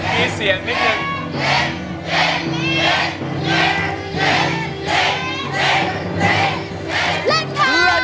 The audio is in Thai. เล่นมีเสียงนิดนึง